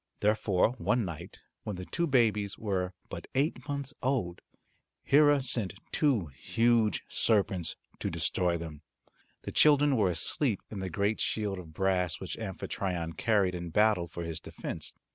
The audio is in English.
Therefore one night, when the two babies were but eight months old, Hera sent two huge serpents to destroy them. The children were asleep in the great shield of brass which Amphitryon carried in battle for his defence.